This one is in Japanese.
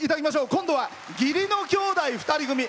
今度は義理の兄弟２人組。